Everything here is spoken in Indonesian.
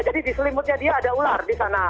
jadi di selimutnya dia ada ular di sana